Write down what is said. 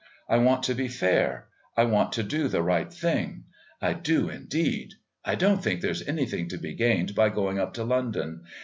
I want to be fair. I want to do the right thing. I do indeed. I don't think there's anything to be gained by going up to London.